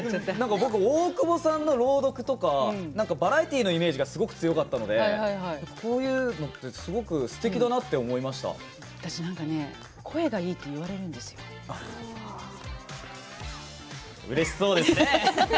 僕、大久保さんの朗読とかバラエティーのイメージがすごく強かったのでこういうのってすごくすてきだなって私、声がいいってうれしそうですね！